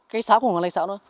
cây sáo không còn là cây sáo nữa